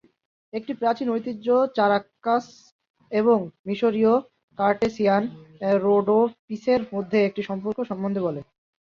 একটি প্রাচীন ঐতিহ্য চারাক্সাস এবং মিশরীয় কর্টেসিয়ান রোডোপিসের মধ্যে একটি সম্পর্ক সম্বন্ধে বলে।